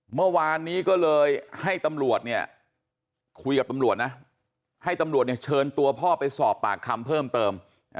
เมื่อวานนี้ก็เลยให้ตำรวจเนี่ยคุยกับตำรวจนะให้ตำรวจเนี่ยเชิญตัวพ่อไปสอบปากคำเพิ่มเติม